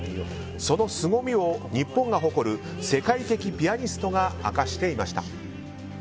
そのすごみを日本が誇る世界的ピアニストが明かしていました。